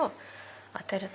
当てると。